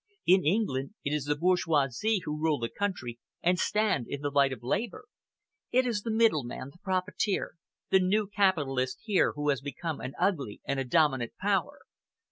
In England it is the bourgeoisie who rule the country and stand in the light of Labour. It is the middleman, the profiteer, the new capitalist here who has become an ugly and a dominant power.